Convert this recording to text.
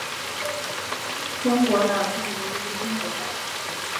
昏果岛县得名于昏果岛。